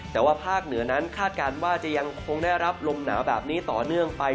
แต่ว่าภาคเหนือนั้นคาดการณ์ว่าจะยังคงได้รับลมหนาวแบบนี้ต่อเนื่องไป